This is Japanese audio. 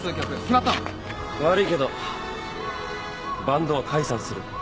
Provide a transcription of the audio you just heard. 悪いけどバンドは解散する。